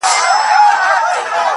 یار نوشلی یې په نوم دمیو جام دی